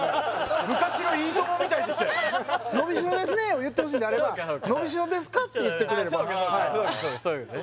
みたいでしたよ「伸びしろですね」を言ってほしいんであれば「伸びしろですか？」って言ってくれれば「いいとも！」